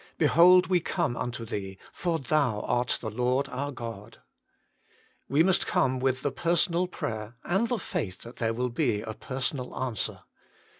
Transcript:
Behold, we come unto Thee, for Thou art the Lord our God." We must come with the personal prayer, and the faith that there will be a personal answer.